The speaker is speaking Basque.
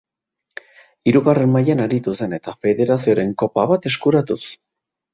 Hirugarren mailan aritu zen eta Federazioaren Kopa bat eskuratuz.